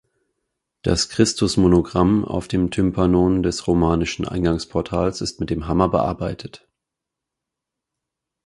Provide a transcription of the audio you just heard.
Das Christusmonogramm auf dem Tympanon des romanischen Eingangsportals ist mit dem Hammer bearbeitet.